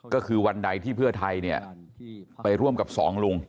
ก็คือวันใดที่เพื่อไทยไปร่วมกับสองลุง